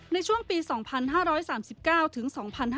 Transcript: ในช่วงปี๒๕๓๙ถึง๒๕๕๙